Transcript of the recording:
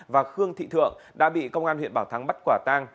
và khương thị thượng đã bị công an huyện bảo thắng bắt quả tang